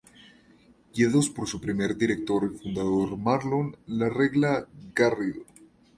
Guiados por su primer Director y Fundador Marlon La Regla Garrido.